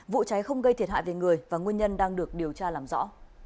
vụ cháy không gây thiệt hại về người và nguyên nhân đang được điều tra làm rõ